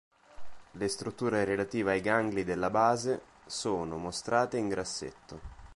Le strutture relative ai gangli della base sono mostrate in grassetto.